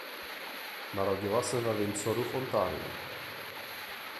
Narodila se ve Windsoru v Ontariu.